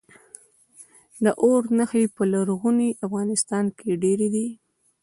د اور نښې په لرغوني افغانستان کې ډیرې دي